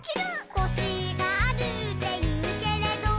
「コシがあるっていうけれど」